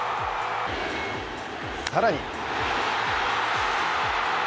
さらに。